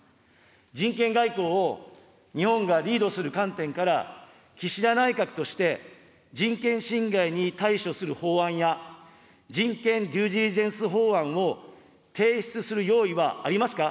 人権外交を日本がリードする観点から、岸田内閣として、人権侵害に対処する法案や、人権デューデリジェンス法案を提出する用意はありますか。